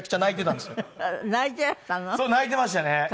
泣いてましたね。